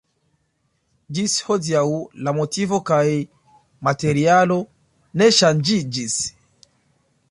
Ĝis hodiaŭ la motivo kaj materialo ne ŝanĝiĝis.